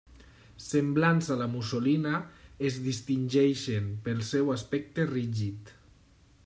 Semblants a la mussolina, es distingeixen pel seu aspecte rígid.